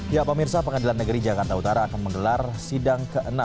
ya pak mirsa pengadilan negeri jakarta utara akan menggelar sidang ke enam